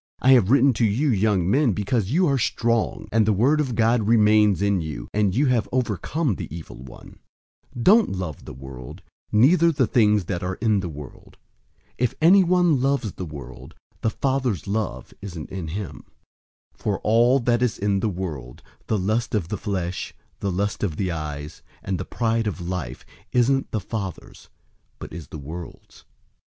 I have written to you, young men, because you are strong, and the word of God remains in you, and you have overcome the evil one. 002:015 Don't love the world, neither the things that are in the world. If anyone loves the world, the Father's love isn't in him. 002:016 For all that is in the world, the lust of the flesh, the lust of the eyes, and the pride of life, isn't the Father's, but is the world's.